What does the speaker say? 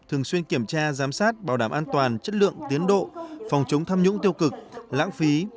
thường xuyên kiểm tra giám sát bảo đảm an toàn chất lượng tiến độ phòng chống tham nhũng tiêu cực lãng phí